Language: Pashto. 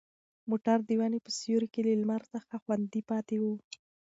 موټر د ونې په سیوري کې له لمر څخه خوندي پاتې و.